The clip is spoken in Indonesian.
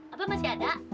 abah masih ada